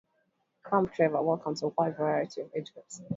Camp Tavor welcomes a wide variety of age groups.